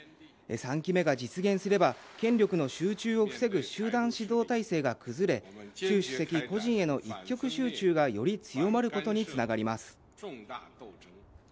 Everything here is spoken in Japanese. ３期目が実現すれば権力の集中を防ぐ集団指導体制が崩れ習首席個人への一極集中がより強まることにつながります。